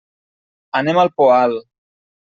Anem al Poal.